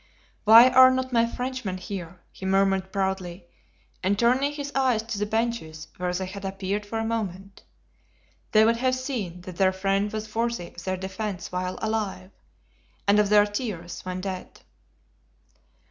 "Why are not my Frenchmen here?" he murmured proudly and turning his eyes to the benches where they had appeared for a moment; "they would have seen that their friend was worthy of their defense while alive, and of their tears when dead."